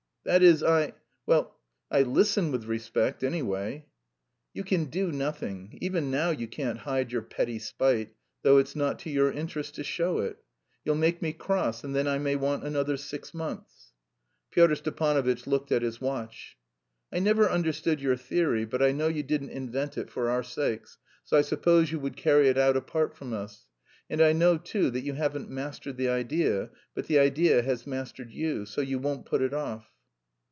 "That is, I... well, I listen with respect, anyway." "You can do nothing; even now you can't hide your petty spite, though it's not to your interest to show it. You'll make me cross, and then I may want another six months." Pyotr Stepanovitch looked at his watch. "I never understood your theory, but I know you didn't invent it for our sakes, so I suppose you would carry it out apart from us. And I know too that you haven't mastered the idea but the idea has mastered you, so you won't put it off."